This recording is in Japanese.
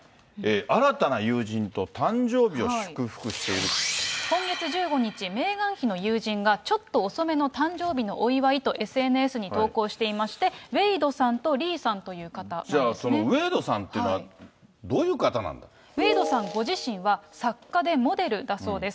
新たな友人と誕生日を祝福してい今月１５日、メーガン妃の友人が、ちょっと遅めの誕生日のお祝いとＳＮＳに投稿していまして、そのウェイドさんって、どうウェイドさんご自身は、作家でモデルだそうです。